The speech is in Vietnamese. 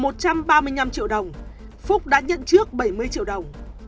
ba mươi năm triệu đồng phúc đã nhận trước bảy mươi triệu đồng